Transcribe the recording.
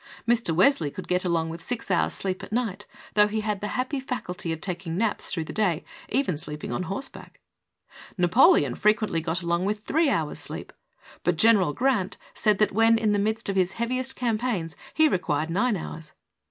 Mr. Wesley could get along with six hours' sleep at night, though he had the happy faculty of taking naps through the day, even sleeping on horseback. Na poleon frequently got along with three hours' sleep, but General Grant said that when in the midst of his heaviest campaigns he required nine hours.